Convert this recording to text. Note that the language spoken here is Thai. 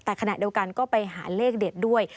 แต่ขณะเดียวกันก็ไปหาเลขเด็ดด้วย